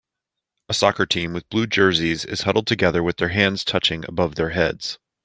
A soccer team with blue jerseys is huddled together with their hands touching above their heads.